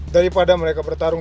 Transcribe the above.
daripada mereka bertarung